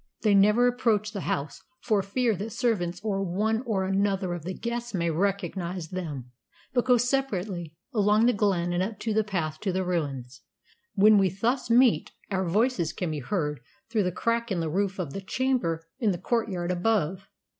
They never approach the house, for fear that servants or one or other of the guests may recognise them, but go separately along the glen and up the path to the ruins. When we thus meet, our voices can be heard through the crack in the roof of the chamber in the courtyard above.